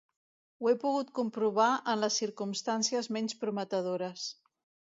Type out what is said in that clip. Ho he pogut comprovar en les circumstàncies menys prometedores.